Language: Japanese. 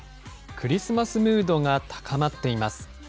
クリスマスムードが高まっています。